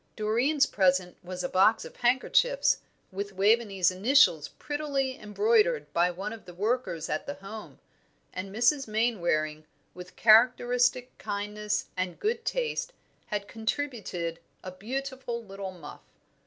Doreen's present was a box of handkerchiefs, with Waveney's initials prettily embroidered by one of the workers at the Home, and Mrs. Mainwaring, with characteristic kindness and good taste, had contributed a beautiful little muff.